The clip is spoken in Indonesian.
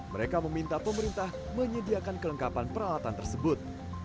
mereka meminta pemerintah menyediakan kelengkapan peralatan tersebut